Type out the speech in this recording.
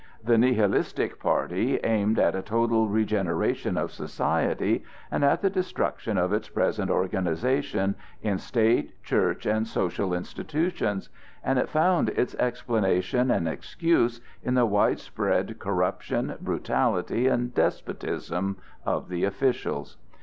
The Nihilistic party aimed at a total regeneration of society and at the destruction of its present organization in state, church, and social institutions, and it found its explanation and excuse in the widespread corruption, brutality, and despotism of the officials.